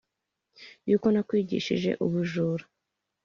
yuko nakwigishije ubujura